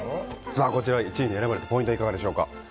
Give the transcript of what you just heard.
こちらを１位に選ばれたポイントはいかがでしょうか？